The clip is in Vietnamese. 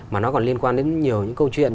mà nó còn liên quan đến nhiều những câu chuyện